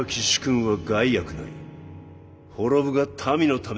滅ぶが民のためなり。